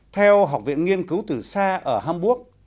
theo học viện nghiên cứu từ xa ở hamburg